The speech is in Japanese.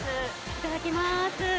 いただきます。